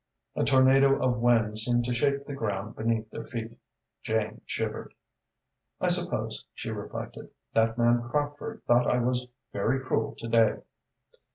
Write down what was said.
A tornado of wind seemed to shake the ground beneath their feet. Jane shivered. "I suppose," she reflected, "that man Crockford thought I was very cruel to day."